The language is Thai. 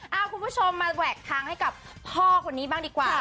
เอาคุณผู้ชมมาแหวกทางให้กับพ่อคนนี้บ้างดีกว่า